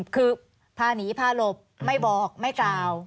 คือพาหนีพาหลบไม่บอกไม่กล่าว